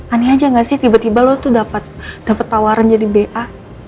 aneh aja gak sih tiba tiba lo tuh dapat tawaran jadi ba